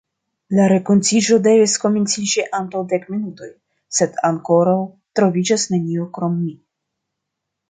La renkontiĝo devis komenciĝi antaŭ dek minutoj, sed ankoraŭ troviĝas neniu krom mi.